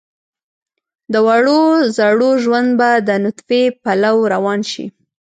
د وړو زړو ژوند به د نطفې پلو روان شي.